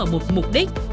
ở một mục đích